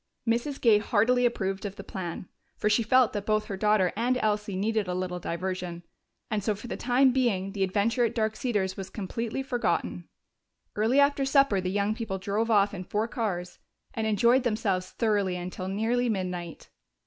Mrs. Gay heartily approved of the plan, for she felt that both her daughter and Elsie needed a little diversion, and so for the time being the adventure at Dark Cedars was completely forgotten. Early after supper the young people drove off in four cars and enjoyed themselves thoroughly until nearly midnight.